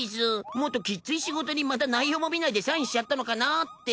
もっときっつい仕事にまた内容も見ないでサインしちゃったのかなって。